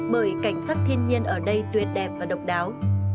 bởi cảnh sắc thiên nhiên ở đây tuyệt đẹp và độc đáo